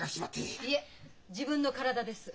いえ自分の体です。